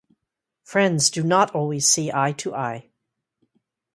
Friends do not always see eye-to-eye.